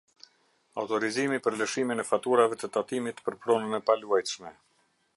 Autorizimi për lëshimin e faturave të tatimit për pronën e paluajtshme.